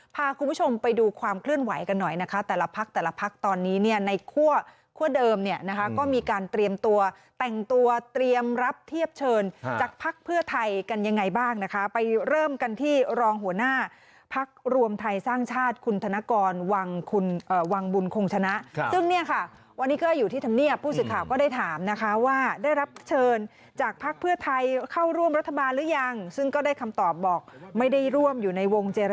พาคุณผู้ชมไปดูความเคลื่อนไหวกันหน่อยนะคะแต่ละพักแต่ละพักตอนนี้เนี่ยในขั้วเดิมเนี่ยนะคะก็มีการเตรียมตัวแต่งตัวเตรียมรับเทียบเชิญจากพักเพื่อไทยกันยังไงบ้างนะคะไปเริ่มกันที่รองหัวหน้าพักรวมไทยสร้างชาติคุณธนกรวังคุณวังบุญคงชนะซึ่งเนี่ยค่ะวันนี้ก็อยู่ที่ธรรเมียผู้สิทธิ์